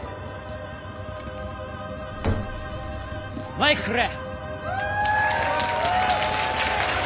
マイクくれ！